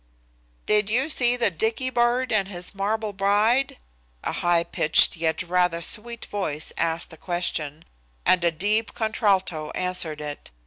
"Did you see the Dicky bird and his marble bride?" A high pitched yet rather sweet voice asked the question, and a deep contralto answered it.